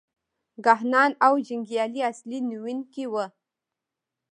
کاهنان او جنګیالي اصلي نیونکي وو.